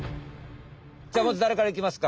じゃあまずだれからいきますか？